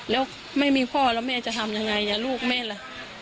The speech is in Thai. แล้วไม่มีพ่อแล้วแม่จะทำยังไงลูกแม่ล่ะ